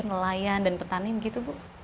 nelayan dan petanin gitu bu